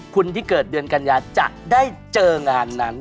ที่เกิดเดือนกัญญาจะได้เจองานนั้น